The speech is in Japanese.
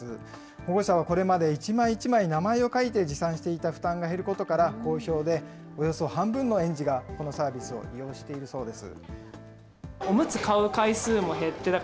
保護者はこれまで一枚一枚名前を書いて持参していた負担が減ることから好評で、およそ半分の園児がこのサービスを利用しているそうです。